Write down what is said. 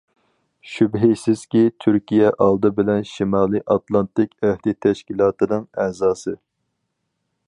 شۈبھىسىزكى، تۈركىيە ئالدى بىلەن شىمالىي ئاتلانتىك ئەھدى تەشكىلاتىنىڭ ئەزاسى.